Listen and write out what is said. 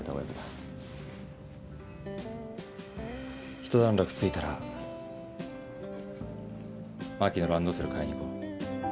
ひと段落ついたら真希のランドセル買いに行こう。